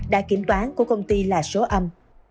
đã kiểm toán của công ty là số âm